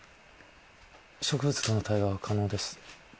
植物との対話は可能です。